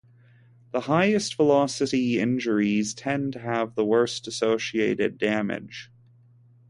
The highest-velocity injuries tend to have the worst associated damage.